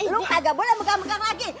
lu kagak boleh megang megang lagi